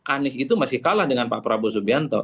anies itu masih kalah dengan pak prabowo subianto